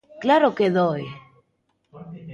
¡Claro que doe!